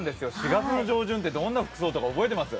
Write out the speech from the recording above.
４月の上旬ってどんな服装とか覚えてます？